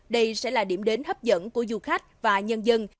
đây sẽ là điểm đến hấp dẫn của du khách và nhân dân